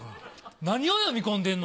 何を読み込んでんの？